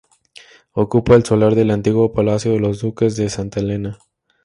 Ocupa el solar del antiguo palacio de los duques de Santa Elena.